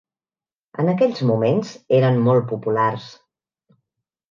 En aquells moments eren molt populars